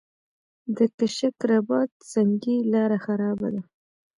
کشک رباط سنګي لاره خرابه ده؟